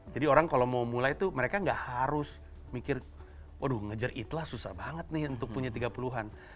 jadi orang kalau mau mulai tuh mereka gak harus mikir waduh ngejar itlah susah banget nih untuk punya tiga puluh an